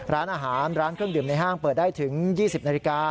ร้านอาหารร้านเครื่องดื่มในห้างเปิดได้ถึง๒๐นาฬิกา